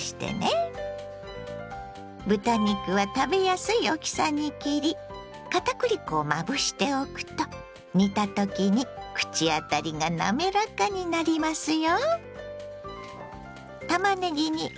豚肉は食べやすい大きさに切り片栗粉をまぶしておくと煮たときに口当たりがなめらかになりますよ。